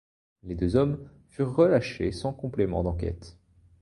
Les deux hommes furent relâchés sans complément d'enquête.